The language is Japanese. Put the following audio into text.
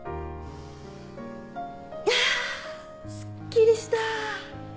あすっきりした。